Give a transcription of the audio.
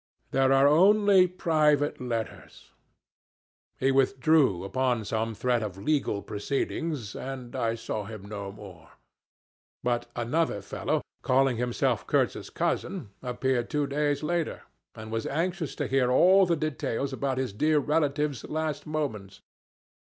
'There are only private letters.' He withdrew upon some threat of legal proceedings, and I saw him no more; but another fellow, calling himself Kurtz's cousin, appeared two days later, and was anxious to hear all the details about his dear relative's last moments.